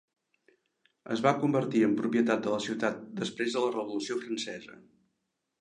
Es va convertir en propietat de la ciutat després de la Revolució Francesa.